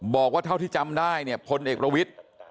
บอกว่าเท่าที่จำได้เนี่ยพลเอกประวิทธิ์